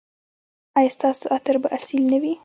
ایا ستاسو عطر به اصیل نه وي؟